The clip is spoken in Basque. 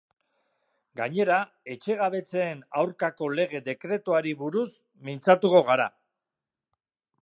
Gainera etxegabetzeen aurkako lege dekretuari buruz mintzatuko gara.